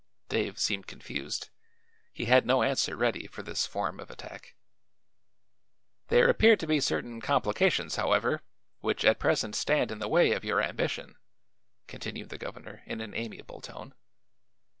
Dave seemed confused. He had no answer ready for this form of attack. "There appear to be certain complications, however, which at present stand in the way of your ambition," continued the governor in an amiable tone.